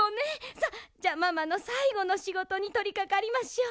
さあじゃママのさいごのしごとにとりかかりましょう。